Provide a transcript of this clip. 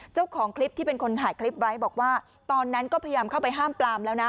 เจ้าของคลิปที่เป็นคนถ่ายคลิปไว้บอกว่าตอนนั้นก็พยายามเข้าไปห้ามปลามแล้วนะ